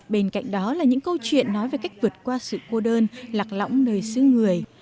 bên cạnh đó là những câu chuyện nói về cách vượt qua sự cô đơn lạc lõng nơi xứ người